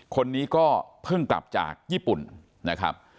คนนี้ก็เพิ่งกลับจากญี่ปุ่นนะครับ